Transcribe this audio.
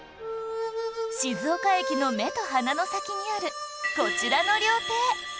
静岡駅の目と鼻の先にあるこちらの料亭